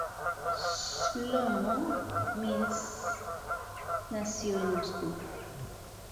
Shlomo Mintz nació en Moscú.